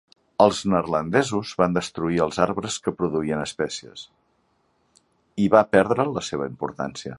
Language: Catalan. Els neerlandesos van destruir els arbres que produïen espècies, i va perdre la seva importància.